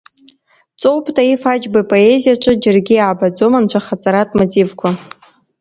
Ҵоуп, Таиф Аџьба ипоезиаҿы џьаргьы иаабаӡом анцәахаҵаратә мотивқәа.